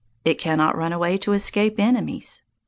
It cannot run away to escape enemies.